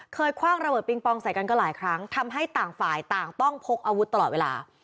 คว่างระเบิดปิงปองใส่กันก็หลายครั้งทำให้ต่างฝ่ายต่างต้องพกอาวุธตลอดเวลา